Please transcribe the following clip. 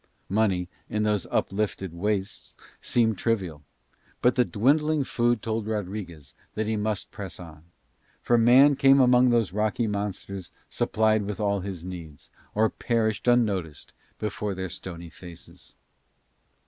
Money in those uplifted wastes seemed trivial, but the dwindling food told Rodriguez that he must press on; for man came among those rocky monsters supplied with all his needs, or perished unnoticed before their stony faces.